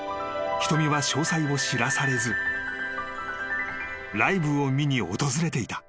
ひとみは詳細を知らされずライブを見に訪れていた］